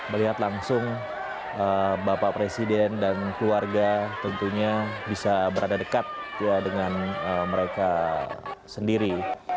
melihat langsung bapak presiden dan keluarga tentunya bisa berada dekat dengan mereka sendiri